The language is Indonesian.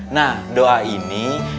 nah doa ini